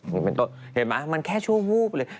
เห็นไหมมันแค่ชั่วฟูบเลย